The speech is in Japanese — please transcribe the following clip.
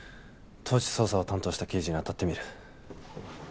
当時捜査を担当した刑事に当たってみる。